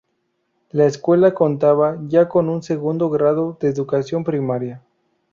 La escuela contaba ya con un segundo grado de educación primaria.